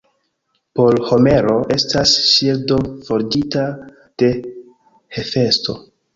Por Homero, estas ŝildo forĝita de Hefesto.